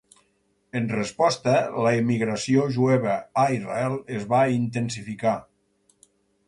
En resposta, l'emigració jueva a Israel es va intensificar.